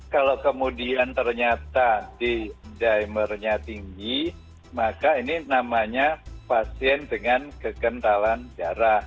kalau kemudian ternyata di dimernya tinggi maka ini namanya pasien dengan kekentalan darah